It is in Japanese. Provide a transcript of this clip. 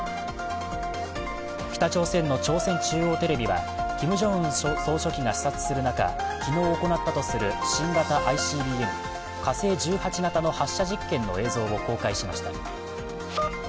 北朝鮮の朝鮮中央テレビはキム・ジョンウン総書記が視察する中、昨日行ったとする新型ＩＣＢＭ火星１８型の発射実験の映像を公開しました。